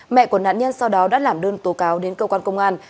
mẹ của nạn nhân sau đó đã làm đơn tố cáo đến cơ quan công an